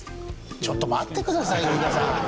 ちょっと待ってくださいよ宇賀さん。